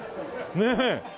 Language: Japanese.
ねえ。